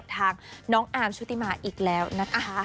ทางน้องอาร์มชุติมาอีกแล้วนะคะ